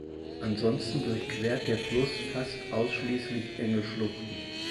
Ansonsten durchquert der Fluss fast ausschließlich enge Schluchten.